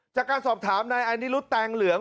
จากการสอบถามนายอานิรุธแตงเหลือง